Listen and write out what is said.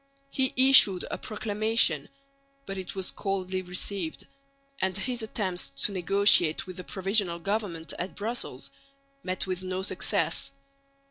He issued a proclamation, but it was coldly received; and his attempts to negotiate with the Provisional Government at Brussels met with no success.